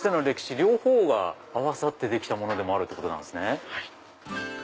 両方が合わさってできたものでもあるんですね。